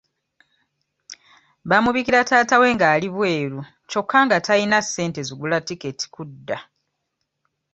Baamubikira taata we ng'ali bweru kyokka nga tayina ssente zigula tiketi kudda.